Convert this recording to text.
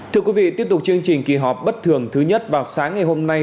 thưa quý vị tiếp tục chương trình kỳ họp bất thường thứ nhất vào sáng ngày hôm nay